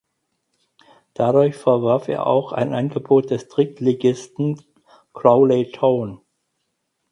Dadurch verwarf er auch ein Angebot des Drittligisten Crawley Town.